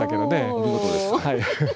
お見事です。